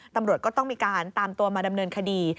ตำรวจก็ต้องมีการตามตัวมาดำเนินคดี